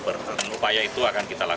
pemegang pemegang ini kita mau